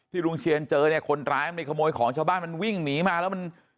ลุงเชียนเจอเนี่ยคนร้ายมันไปขโมยของชาวบ้านมันวิ่งหนีมาแล้วมัน